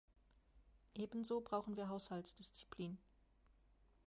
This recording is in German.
Ebenso brauchen wir Haushaltsdisziplin.